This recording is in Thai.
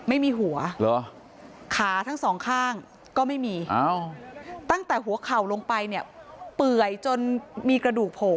ไม่มีหัวขาทั้งสองข้างก็ไม่มีตั้งแต่หัวเข่าลงไปเนี่ยเปื่อยจนมีกระดูกโผล่